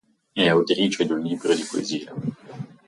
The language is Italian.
È autrice di un libro di poesie.